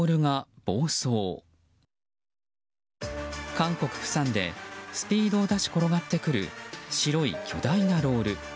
韓国・釜山でスピードを出し転がってくる白い巨大なロール。